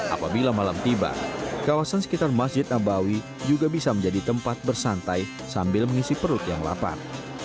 apabila malam tiba kawasan sekitar masjid nabawi juga bisa menjadi tempat bersantai sambil mengisi perut yang lapar